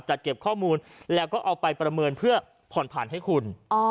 เก็บข้อมูลแล้วก็เอาไปประเมินเพื่อผ่อนผันให้คุณ